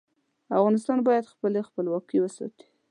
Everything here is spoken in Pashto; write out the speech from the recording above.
افغانستان باید خپله خپلواکي وساتي.